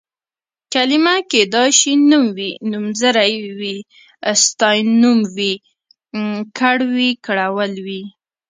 کلمه کيدای شي نوم وي، نومځری وي، ستاینوم وي، کړ وي، کړول وي...